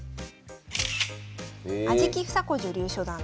安食総子女流初段です。